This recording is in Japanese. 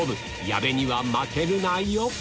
矢部には負けるなよ